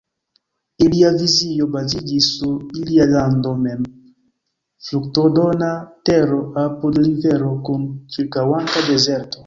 Ilia vizio baziĝis sur ilia lando mem, fruktodona tero apud rivero kun ĉirkaŭanta dezerto.